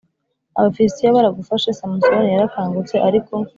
Abafilisitiya baragufashe Samusoni yarakangutse ariko